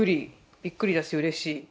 びっくりだしうれしい。